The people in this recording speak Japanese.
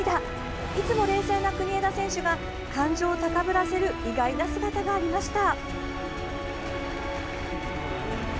いつも冷静な国枝選手が感情を高ぶらせる意外な姿がありました。